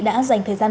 đã dành thời gian